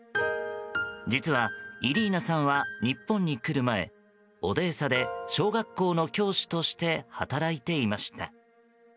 実は、イリーナさんは日本に来る前オデーサで小学校の教師として働いていました。